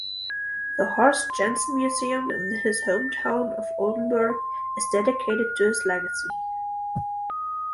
The Horst Janssen Museum in his hometown of Oldenburg is dedicated to his legacy.